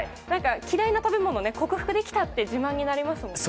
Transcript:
嫌いな食べ物を克服できたって自慢になりますもんね。